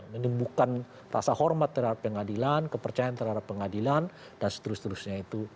menyembuhkan rasa hormat terhadap pengadilan kepercayaan terhadap pengadilan dan seterusnya itu